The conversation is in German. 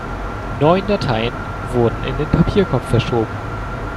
Neun Dateien wurden in den Papierkorb verschoben.